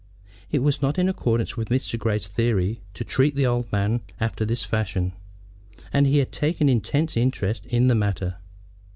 It was not in accordance with Mr. Grey's theory to treat the old man after this fashion. And he had taken intense interest in the matter.